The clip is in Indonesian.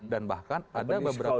dan bahkan ada beberapa